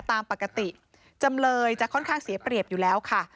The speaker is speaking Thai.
ตามปกติจำเลยจะค่อนข้างเสียเปรียบอยู่แล้วค่ะ